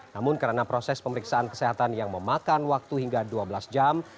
namun karena proses pemeriksaan kesehatan yang memakan waktu hingga dua belas jam